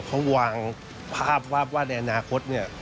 เขาวางภาพว่าในอนาคต